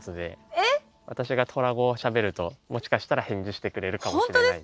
私がトラ語をしゃべるともしかしたら返事してくれるかもしれない。